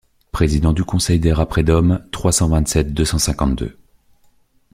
Président du conseil des rats Predhomme trois cent vingt-sept deux cent cinquante-deux.